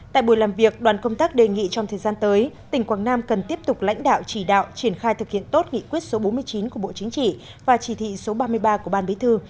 tại buổi làm việc đoàn công tác đề nghị trong thời gian tới tỉnh quảng nam cần tiếp tục lãnh đạo chỉ đạo triển khai thực hiện tốt nghị quyết số bốn mươi chín của bộ chính trị và chỉ thị số ba mươi ba của ban bí thư